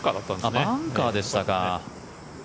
バンカーでしたか。